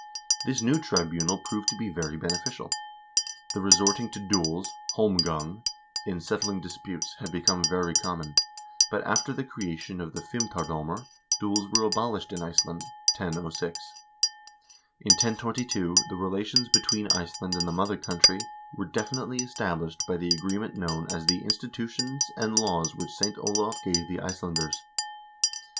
This new tribunal proved to be very beneficial. The resorting to duels (holmgang) in settling disputes had become very common, but after the creation of the fimtarddmr duels were abolished in Iceland, 1006. In 1022 the relations between Iceland and the mother country were definitely established by the agreement known as the "Institutions and Laws which St. Olav gave the Icelanders."